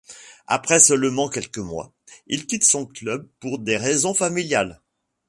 Après seulement quelques mois, il quitte son club pour des raisons familiales.